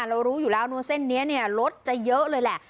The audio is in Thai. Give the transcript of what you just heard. รู้อยู่แล้วนู้นเส้นนี้เนี่ยรถจะเยอะเลยแหละ